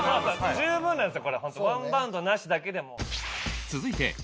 「そうなんですよ」